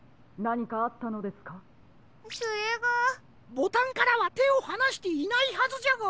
ボタンからはてをはなしていないはずじゃが。